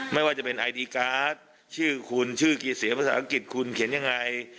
ไม่ว่าจะเป็นไอดีการ์ดชื่อคุณชื่อกี่เสียงภาษาอังกฤษคุณเขียนยังไง